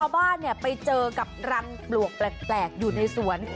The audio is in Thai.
ชาวบ้านเนี่ยไปเจอกับรางปลวกแปลกอยู่ในสวน